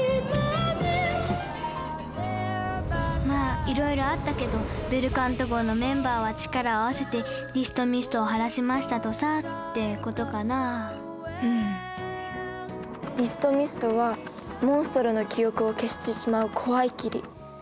まぁいろいろあったけどベルカント号のメンバーは力を合わせてディストミストを晴らしましたとさってことかなぁうんディストミストはモンストロの記憶を消してしまう怖い霧。